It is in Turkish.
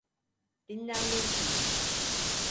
Dinlenmelisiniz.